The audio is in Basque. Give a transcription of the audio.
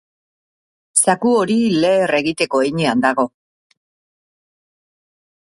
Zaku hori leher egiteko heinean dago.